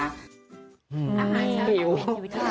เป็นความสุขที่แท้จริงแล้วก็แน่นอนที่สุดเลยนะคะ